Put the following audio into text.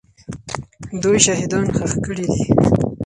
دوی شهیدان ښخ کړي دي.